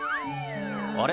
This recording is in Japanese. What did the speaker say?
あれ？